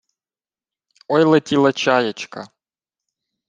Ой летіла чаєчка